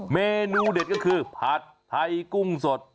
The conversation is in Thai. เมนูเด็ดก็คือผัดไทยกุ้งสด